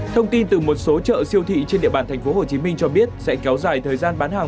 thông tin từ một số chợ siêu thị trên địa bàn tp hcm cho biết sẽ kéo dài thời gian bán hàng